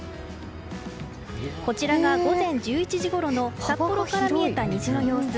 こちらが午前１１時ごろの札幌から見えた虹の様子。